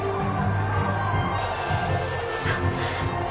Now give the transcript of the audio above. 泉さん。